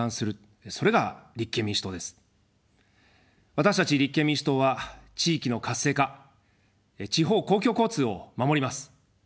私たち立憲民主党は地域の活性化、地方公共交通を守ります。